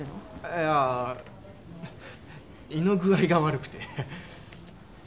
いやあ胃の具合が悪くて。